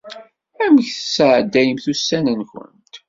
Amek i tesɛeddayemt ussan-nkent?